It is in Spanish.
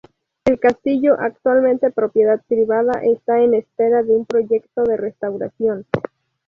El castillo, actualmente propiedad privada, está en espera de un proyecto de restauración.